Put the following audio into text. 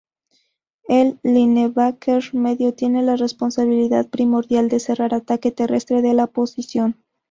El linebacker medio tiene la responsabilidad primordial de cerrar ataque terrestre de la oposición.